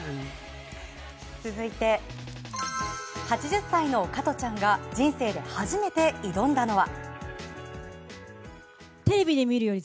続いて８０歳の加トちゃんが人生で初めて挑んだのは。